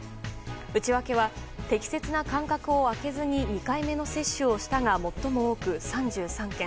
内訳は、適切な間隔を空けずに２回目の接種をしたが最も多く３３件。